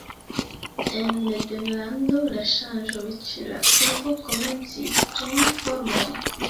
En Nederlando, la ŝanĝoj ĉe la povo komencis preni formon.